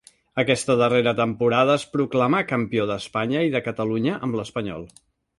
Aquesta darrera temporada es proclamà campió d'Espanya i de Catalunya amb l'Espanyol.